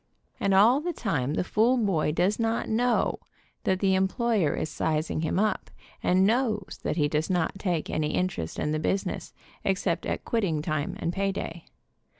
And all the time the fool boy does not know that the em ployer is sizing him up, and knows that he does not take any interest in the business, except at quitting time and pay day.